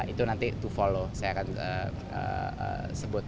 itu nanti to follow saya akan sebut